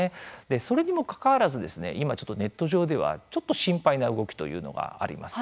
それにもかかわらず今、ネット上ではちょっと心配な動きというのがあります。